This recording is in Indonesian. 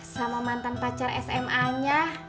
sama mantan pacar sma nya